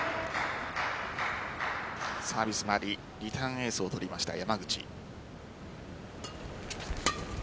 サービスもありリターンエースを取りました山口。